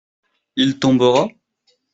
Il tombera ?